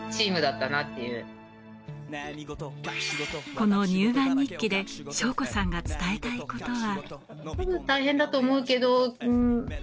この乳がん日記で省子さんが伝えたいことは。